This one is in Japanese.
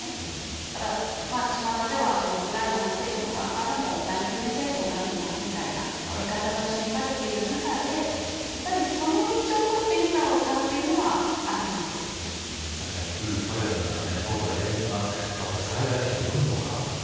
だから、ちまたではウクライナの政府の側からも何十年戦争になるみたいな見方が示されている中でやはりその道をとおっていいんだろうかというのは確かに旧ソ連のような東西冷戦がまた再来してよいのか。